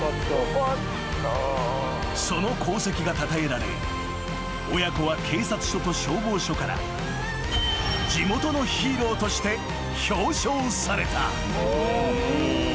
［その功績がたたえられ親子は警察署と消防署から地元のヒーローとして表彰された］